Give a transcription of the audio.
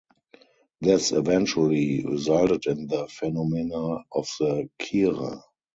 This eventually resulted in the phenomena of the "kira".